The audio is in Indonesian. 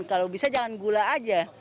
kalau bisa jangan gula aja